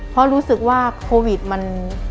เพราะรู้สึกว่าโควิดมัน